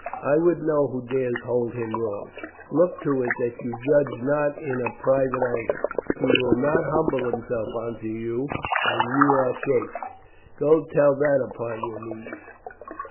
I would know who dares hold him wrong. Look to it that you judge not in a private anger. He will not humble himself unto you, and you are chafed. Go, tell that upon your knees."